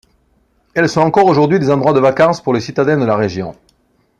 Elles sont encore aujourd'hui des endroits de vacances pour les citadins de la région.